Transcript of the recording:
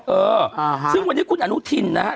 เออซึ่งวันนี้คุณอนุทินนะฮะ